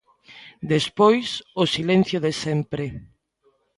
Despois, o silencio de sempre.